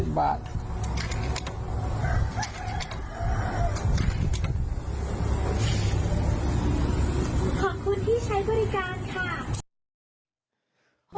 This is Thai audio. ขอบคุณที่ใช้บริการค่ะ